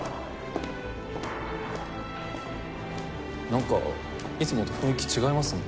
なんかいつもと雰囲気違いますね。